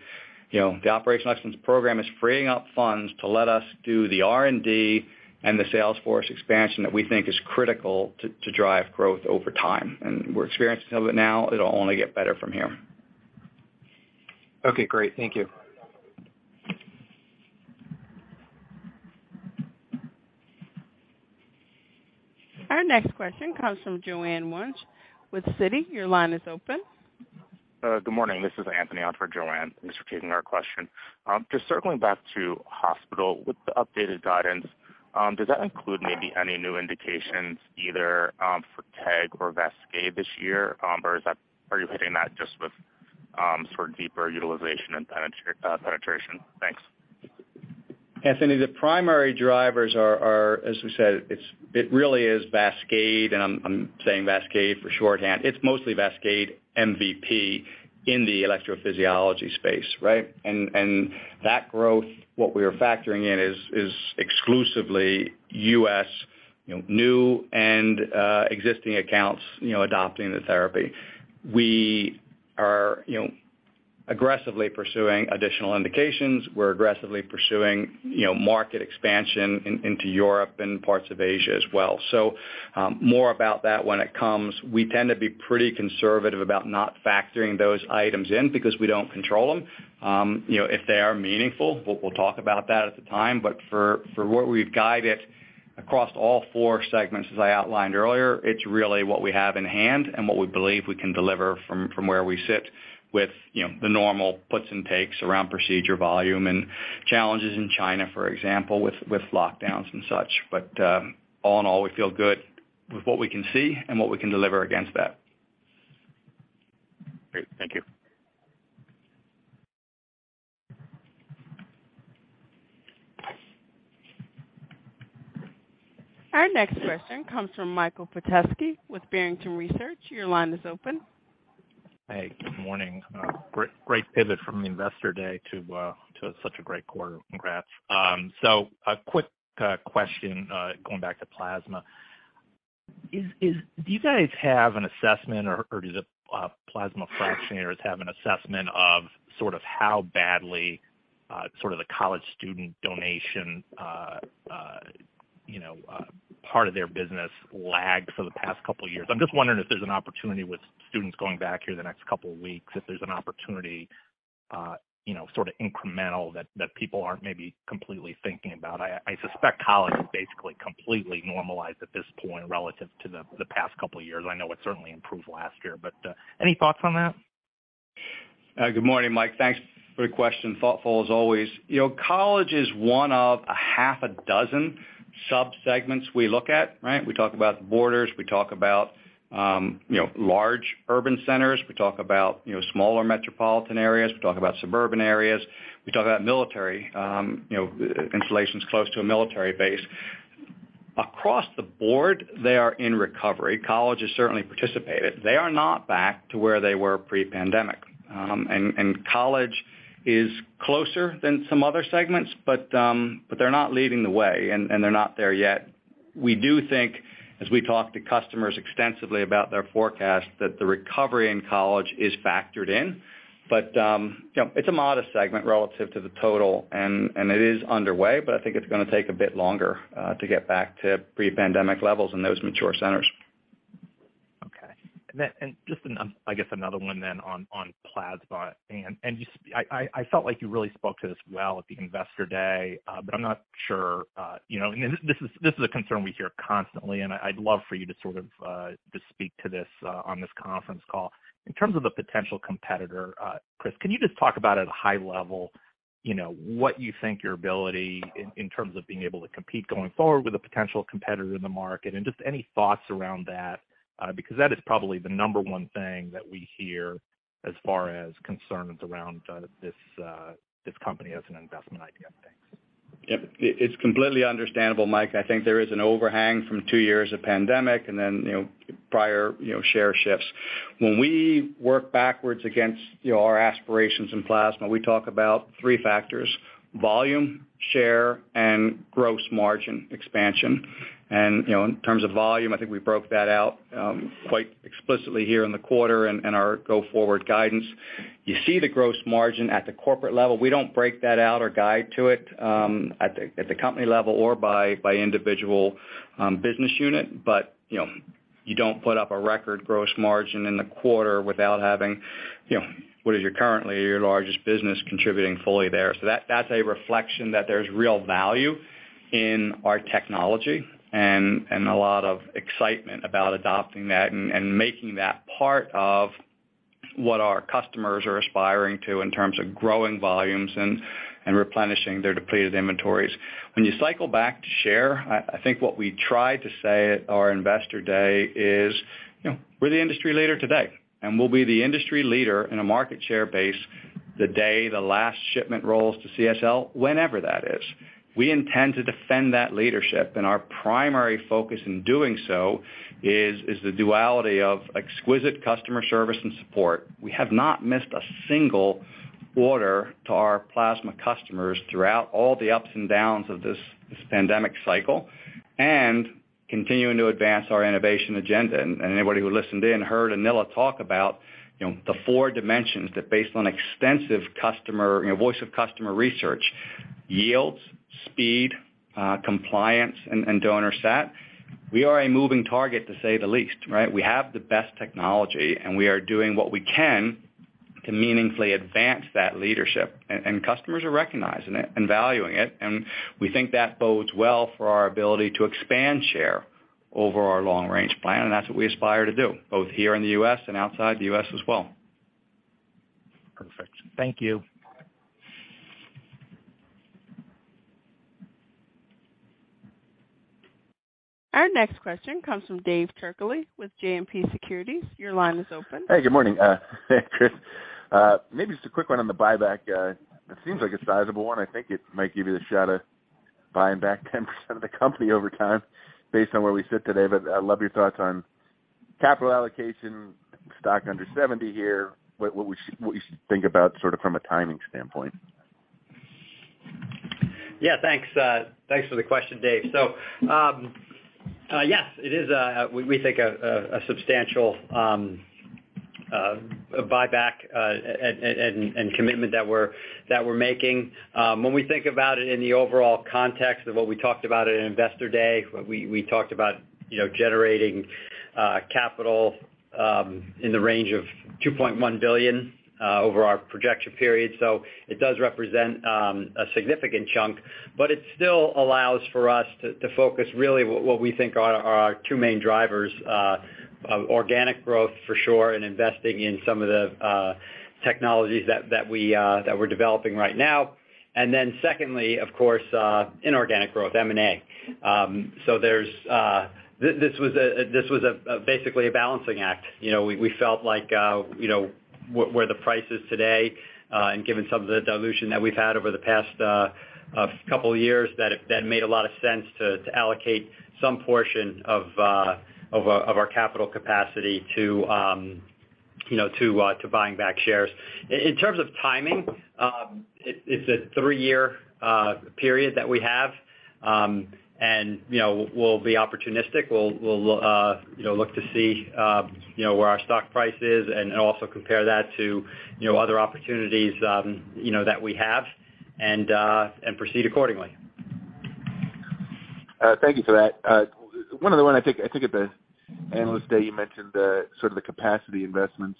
You know, the Operational Excellence Program is freeing up funds to let us do the R&D and the sales force expansion that we think is critical to drive growth over time. We're experiencing some of it now. It'll only get better from here. Okay, great. Thank you. Our next question comes from Joanne Wuensch with Citi. Your line is open. Good morning. This is Anthony on for Joanne. Thanks for taking our question. Just circling back to Hospital with the updated guidance, does that include maybe any new indications either for TEG or VASCADE this year? Or are you hitting that just with sort of deeper utilization and penetration? Thanks. Anthony, the primary drivers are, as we said, it's really VASCADE, and I'm saying VASCADE for shorthand. It's mostly VASCADE MVP in the electrophysiology space, right? That growth, what we are factoring in is exclusively U.S., you know, new and existing accounts, you know, adopting the therapy. We are, you know, aggressively pursuing additional indications. We're aggressively pursuing, you know, market expansion into Europe and parts of Asia as well. More about that when it comes. We tend to be pretty conservative about not factoring those items in because we don't control them. You know, if they are meaningful, we'll talk about that at the time. For what we've guided across all four segments, as I outlined earlier, it's really what we have in hand and what we believe we can deliver from where we sit with, you know, the normal puts and takes around procedure volume and challenges in China, for example, with lockdowns and such. All in all, we feel good with what we can see and what we can deliver against that. Great. Thank you. Our next question comes from Michael Petusky with Barrington Research. Your line is open. Hey, good morning. Great pivot from the Investor Day to such a great quarter. Congrats. A quick question going back to plasma. Do you guys have an assessment or do the plasma fractionators have an assessment of sort of how badly sort of the college student donation you know part of their business lagged for the past couple years. I'm just wondering if there's an opportunity with students going back here the next couple weeks, if there's an opportunity you know sort of incremental that people aren't maybe completely thinking about. I suspect college is basically completely normalized at this point relative to the past couple years. I know it certainly improved last year, but any thoughts on that? Good morning, Mike. Thanks for the question. Thoughtful as always. You know, college is one of a half a dozen subsegments we look at, right? We talk about the borders, we talk about, you know, large urban centers, we talk about, you know, smaller metropolitan areas, we talk about suburban areas, we talk about military, you know, installations close to a military base. Across the board, they are in recovery. College has certainly participated. They are not back to where they were pre-pandemic. College is closer than some other segments, but they're not leading the way, and they're not there yet. We do think as we talk to customers extensively about their forecast, that the recovery in college is factored in. It's a modest segment relative to the total and it is underway, but I think it's gonna take a bit longer to get back to pre-pandemic levels in those mature centers. I guess another one then on plasma. I felt like you really spoke to this well at the Investor Day, but I'm not sure, you know. This is a concern we hear constantly, and I'd love for you to sort of just speak to this on this conference call. In terms of the potential competitor, Chris, can you just talk about at a high level, you know, what you think your ability in terms of being able to compete going forward with a potential competitor in the market, and just any thoughts around that? Because that is probably the number one thing that we hear as far as concerns around this company as an investment idea. Thanks. Yep. It's completely understandable, Mike. I think there is an overhang from two years of pandemic and then, you know, prior, you know, share shifts. When we work backwards against, you know, our aspirations in plasma, we talk about three factors, volume, share, and gross margin expansion. You know, in terms of volume, I think we broke that out quite explicitly here in the quarter and our go forward guidance. You see the gross margin at the corporate level. We don't break that out or guide to it at the company level or by individual business unit. You know, you don't put up a record gross margin in the quarter without having, you know, what is currently your largest business contributing fully there. That, that's a reflection that there's real value in our technology and a lot of excitement about adopting that and making that part of what our customers are aspiring to in terms of growing volumes and replenishing their depleted inventories. When you cycle back to share, I think what we try to say at our Investor Day is, you know, we're the industry leader today, and we'll be the industry leader in a market share base the day the last shipment rolls to CSL, whenever that is. We intend to defend that leadership, and our primary focus in doing so is the duality of exquisite customer service and support. We have not missed a single order to our plasma customers throughout all the ups and downs of this pandemic cycle, and continuing to advance our innovation agenda. Anybody who listened in heard Anila talk about, you know, the four dimensions that based on extensive customer, you know, voice of customer research, yields, speed, compliance, and donor sat. We are a moving target, to say the least, right? We have the best technology, and we are doing what we can to meaningfully advance that leadership. Customers are recognizing it and valuing it, and we think that bodes well for our ability to expand share over our long range plan, and that's what we aspire to do, both here in the U.S. And outside the U.S. as well. Perfect. Thank you. Our next question comes from David Turkaly with JMP Securities. Your line is open. Hey, good morning. Hey, Chris. Maybe just a quick one on the buyback. It seems like a sizable one. I think it might give you the shot of buying back 10% of the company over time based on where we sit today. I'd love your thoughts on capital allocation, stock under $70 here, what we should think about sort of from a timing standpoint. Yeah, thanks. Thanks for the question, Dave. Yes, it is, we think a substantial buyback and commitment that we're making. When we think about it in the overall context of what we talked about at Investor Day, we talked about, you know, generating capital in the range of $2.1 billion over our projection period. It does represent a significant chunk, but it still allows for us to focus really what we think are our two main drivers, organic growth for sure, and investing in some of the technologies that we're developing right now. Secondly, of course, inorganic growth, M&A. This was basically a balancing act. You know, we felt like, you know, where the price is today, and given some of the dilution that we've had over the past couple years, that made a lot of sense to allocate some portion of our capital capacity to, you know, to buying back shares. In terms of timing, it's a three-year period that we have, and, you know, we'll, you know, look to see where our stock price is and also compare that to, you know, other opportunities that we have and proceed accordingly. Thank you for that. One other one, I think at the Investor Day you mentioned sort of the capacity investments.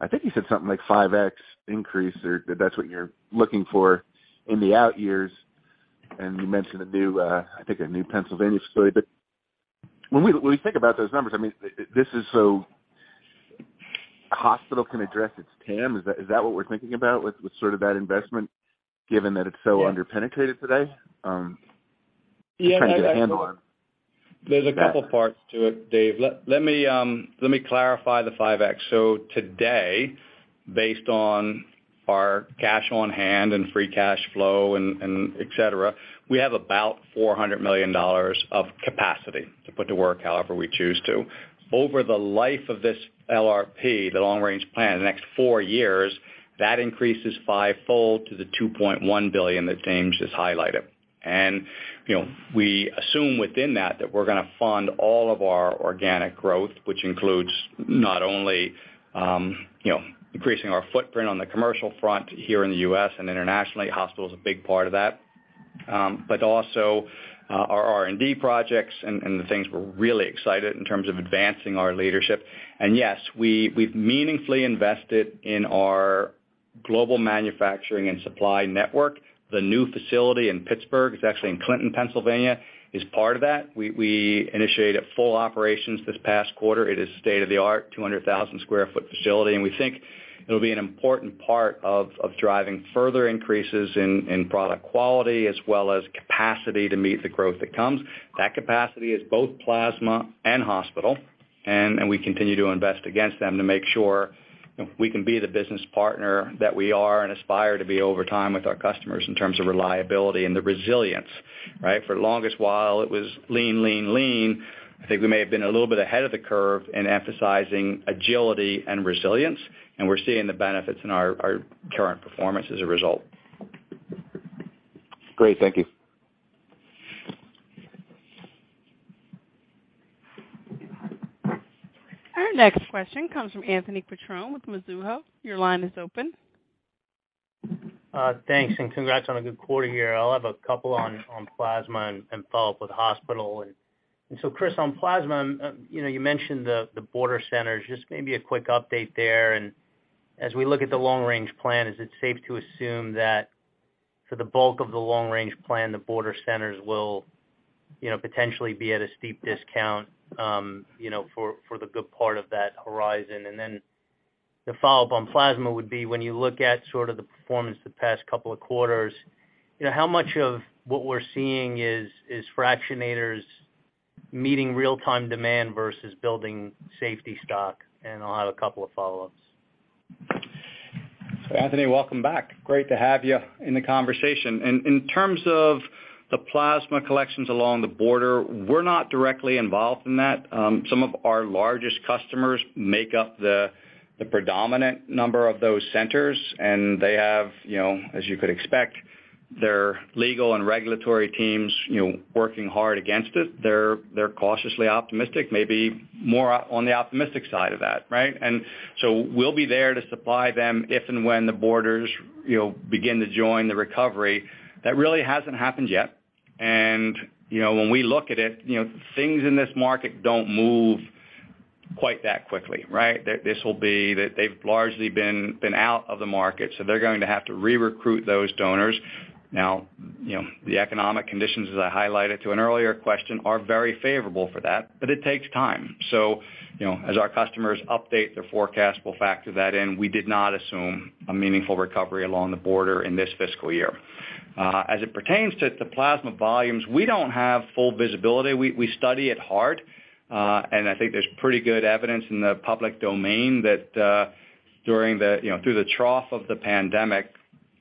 I think you said something like 5x increase or that's what you're looking for in the out years. You mentioned a new Pennsylvania facility. When we think about those numbers, I mean, this is so Haemonetics can address its TAM. Is that what we're thinking about with sort of that investment given that it's so under-penetrated today? Just trying to get a handle on that. There's a couple parts to it, Dave. Let me clarify the 5x. So today, based on our cash on hand and free cash flow and et cetera, we have about $400 million of capacity to put to work however we choose to. Over the life of this LRP, the long range plan, the next four years, that increases fivefold to the $2.1 billion that James just highlighted. You know, we assume within that we're gonna fund all of our organic growth, which includes not only increasing our footprint on the commercial front here in the U.S. and internationally, Hospital is a big part of that, but also our R&D projects and the things we're really excited in terms of advancing our leadership. Yes, we've meaningfully invested in our global manufacturing and supply network. The new facility in Pittsburgh, it's actually in Clinton, Pennsylvania, is part of that. We initiated full operations this past quarter. It is state-of-the-art, 200,000 sq ft facility, and we think it'll be an important part of driving further increases in product quality as well as capacity to meet the growth that comes. That capacity is both plasma and hospital, and we continue to invest against them to make sure we can be the business partner that we are and aspire to be over time with our customers in terms of reliability and the resilience, right? For the longest while it was lean. I think we may have been a little bit ahead of the curve in emphasizing agility and resilience, and we're seeing the benefits in our current performance as a result. Great. Thank you. Our next question comes from Anthony Petrone with Mizuho. Your line is open. Thanks, and congrats on a good quarter here. I'll have a couple on plasma and follow up with hospital. Chris, on plasma, you know, you mentioned the border centers. Just maybe a quick update there. As we look at the long range plan, is it safe to assume that for the bulk of the long range plan, the border centers will, you know, potentially be at a steep discount, you know, for the good part of that horizon? Then the follow-up on plasma would be when you look at sort of the performance the past couple of quarters, you know, how much of what we're seeing is fractionators meeting real-time demand versus building safety stock? I'll have a couple of follow-ups. Anthony, welcome back. Great to have you in the conversation. In terms of the plasma collections along the border, we're not directly involved in that. Some of our largest customers make up the predominant number of those centers, and they have, you know, as you could expect, their legal and regulatory teams, you know, working hard against it. They're cautiously optimistic, maybe more on the optimistic side of that, right? We'll be there to supply them if and when the borders, you know, begin to join the recovery. That really hasn't happened yet. You know, when we look at it, you know, things in this market don't move quite that quickly, right? They've largely been out of the market, so they're going to have to recruit those donors. Now, you know, the economic conditions, as I highlighted to an earlier question, are very favorable for that, but it takes time. You know, as our customers update their forecast, we'll factor that in. We did not assume a meaningful recovery along the border in this fiscal year. As it pertains to the plasma volumes, we don't have full visibility. We study it hard, and I think there's pretty good evidence in the public domain that, during the, you know, through the trough of the pandemic,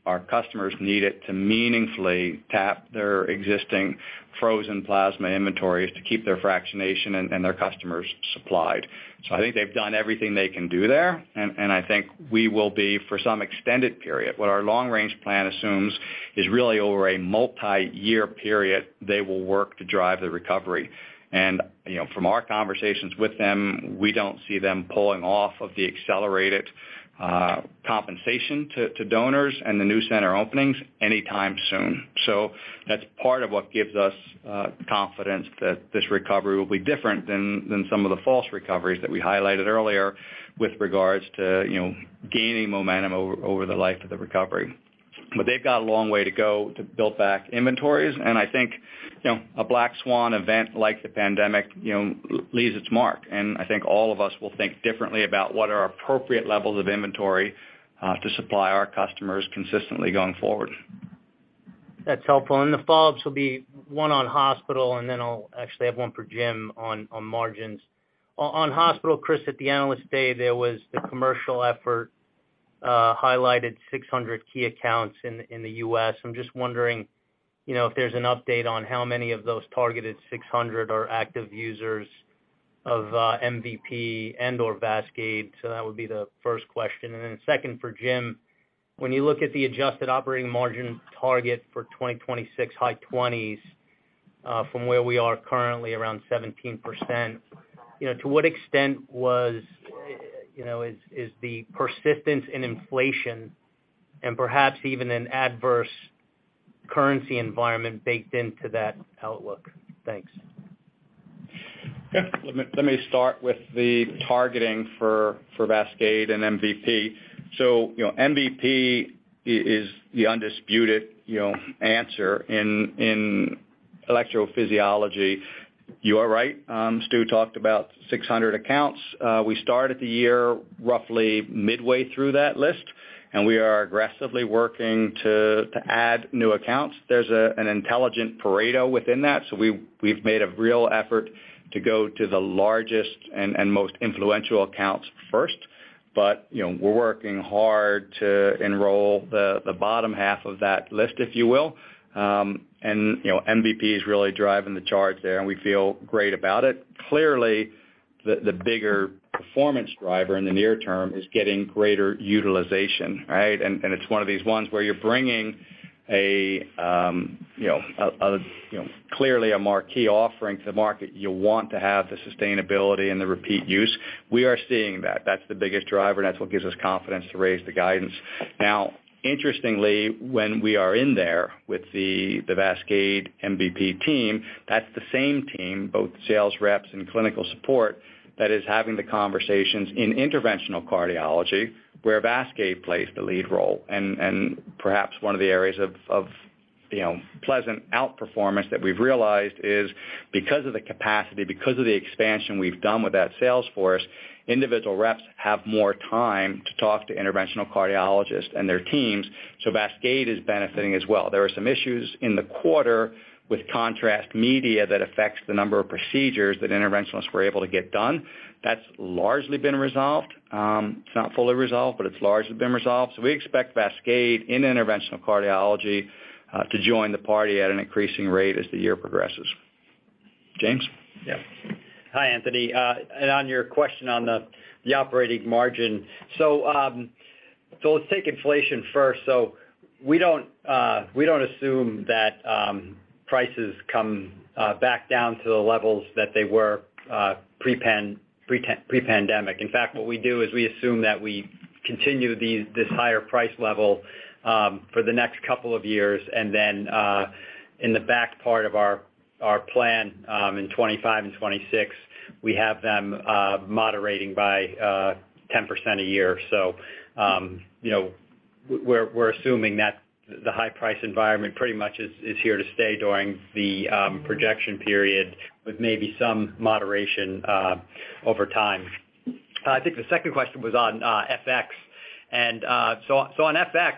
our customers needed to meaningfully tap their existing frozen plasma inventories to keep their fractionation and their customers supplied. I think they've done everything they can do there. I think we will be for some extended period. What our long range plan assumes is really over a multiyear period, they will work to drive the recovery. You know, from our conversations with them, we don't see them pulling off of the accelerated compensation to donors and the new center openings anytime soon. That's part of what gives us confidence that this recovery will be different than some of the false recoveries that we highlighted earlier with regards to, you know, gaining momentum over the life of the recovery. They've got a long way to go to build back inventories. I think, you know, a black swan event like the pandemic leaves its mark. I think all of us will think differently about what are appropriate levels of inventory to supply our customers consistently going forward. That's helpful. The follow-ups will be one on hospital, and then I'll actually have one for Jim on margins. On hospital, Chris, at the Investor Day, there was the commercial effort highlighted 600 key accounts in the U.S. I'm just wondering, you know, if there's an update on how many of those targeted 600 are active users of MVP and/or VASCADE. That would be the first question. Then second for Jim, when you look at the adjusted operating margin target for 2026 high 20s%, from where we are currently around 17%, you know, to what extent is the persistence in inflation and perhaps even an adverse currency environment baked into that outlook? Thanks. Yeah. Let me start with the targeting for VASCADE and MVP. You know, MVP is the undisputed, you know, answer in electrophysiology. You are right. Stu talked about 600 accounts. We started the year roughly midway through that list, and we are aggressively working to add new accounts. There's an intelligent Pareto within that, so we've made a real effort to go to the largest and most influential accounts first. You know, we're working hard to enroll the bottom half of that list, if you will. You know, MVP is really driving the charge there, and we feel great about it. Clearly, the bigger performance driver in the near term is getting greater utilization, right? It's one of these ones where you're bringing a, you know, clearly a marquee offering to the market. You want to have the sustainability and the repeat use. We are seeing that. That's the biggest driver, and that's what gives us confidence to raise the guidance. Now, interestingly, when we are in there with the VASCADE MVP team, that's the same team, both sales reps and clinical support, that is having the conversations in interventional cardiology, where VASCADE plays the lead role. Perhaps one of the areas of, you know, pleasant outperformance that we've realized is because of the capacity, because of the expansion we've done with that sales force, individual reps have more time to talk to interventional cardiologists and their teams, so VASCADE is benefiting as well. There were some issues in the quarter with contrast media that affects the number of procedures that interventionists were able to get done. That's largely been resolved. It's not fully resolved, but it's largely been resolved. We expect VASCADE in interventional cardiology to join the party at an increasing rate as the year progresses. James? Yeah. Hi, Anthony. On your question on the operating margin. Let's take inflation first. We don't assume that prices come back down to the levels that they were pre-pandemic. In fact, what we do is we assume that we continue this higher price level for the next couple of years, and then in the back part of our plan in 2025 and 2026, we have them moderating by 10% a year. You know, we're assuming that the high price environment pretty much is here to stay during the projection period with maybe some moderation over time. I think the second question was on FX. On FX,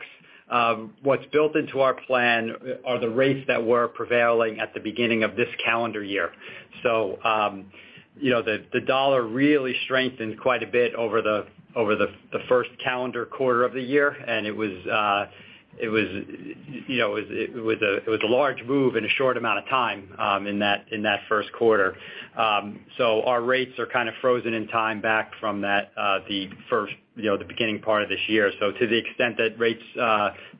what's built into our plan are the rates that were prevailing at the beginning of this calendar year. You know, the US dollar really strengthened quite a bit over the first calendar quarter of the year, and it was, you know, a large move in a short amount of time in that first quarter. Our rates are kind of frozen in time back from that, the beginning part of this year. To the extent that rates,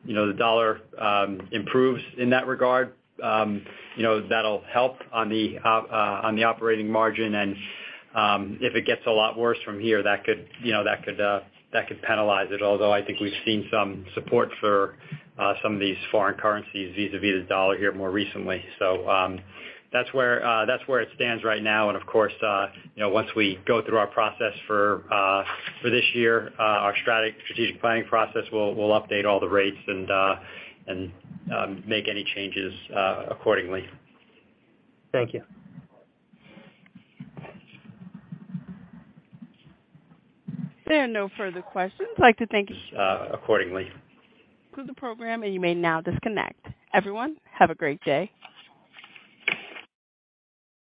you know, the U.S. dollar improves in that regard, you know, that'll help on the operating margin. If it gets a lot worse from here, that could, you know, penalize it. Although I think we've seen some support for some of these foreign currencies vis-à-vis the dollar here more recently. That's where it stands right now. Of course, you know, once we go through our process for this year, our strategic planning process, we'll update all the rates and make any changes accordingly. Thank you. There are no further questions. I'd like to thank. Accordingly. the program, and you may now disconnect. Everyone, have a great day.